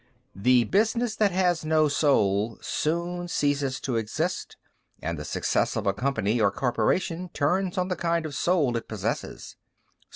The business that has no soul soon ceases to exist; and the success of a company or corporation turns on the kind of soul it possesses.